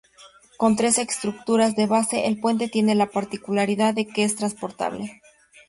Con tres estructuras de base, el puente tiene la particularidad de que es transportable.